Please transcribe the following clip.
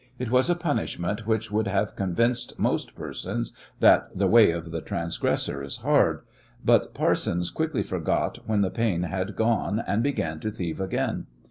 It was a punishment which would have convinced most persons that "the way of transgressors is hard," but Parsons quickly forgot when the pain had gone and began to thieve again.